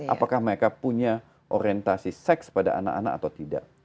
apakah mereka punya orientasi seks pada anak anak atau tidak